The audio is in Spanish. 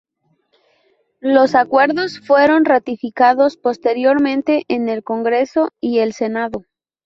Los acuerdos fueron ratificados posteriormente en el Congreso y el Senado.